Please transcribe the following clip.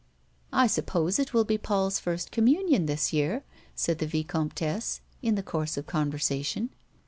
" I suppose it will be Paul's first communion this year," said the vicomtesse, in the course of conversation.